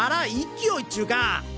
勢いっちゅうか。